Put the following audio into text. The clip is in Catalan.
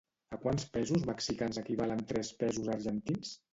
A quants pesos mexicans equivalen tres pesos argentins?